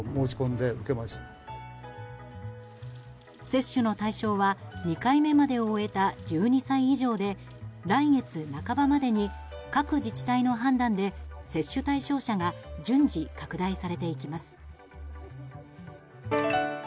接種の対象は２回目までを終えた１２歳以上で来月半ばまでに各自治体の判断で接種対象者が順次拡大されていきます。